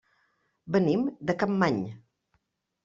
Venim de Capmany.